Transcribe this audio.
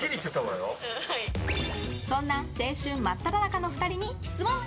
そんな青春真っただ中の２人に質問。